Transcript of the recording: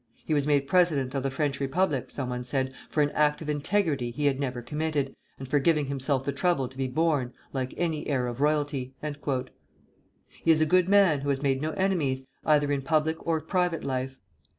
"He was made president of the French Republic," some one said, "for an act of integrity he had never committed, and for giving himself the trouble to be born, like any heir of royalty." He is a good man, who has made no enemies, either in public or private life.